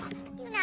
何？